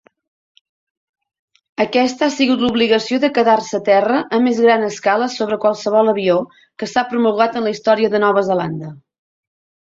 Aquesta ha sigut l'obligació de quedar-se a terra a més gran escala sobre qualsevol avió que s'ha promulgat en la història de Nova Zelanda.